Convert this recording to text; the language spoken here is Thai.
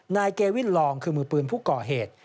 นายเกวินลองคือมือปืนผู้ก่อเหตุ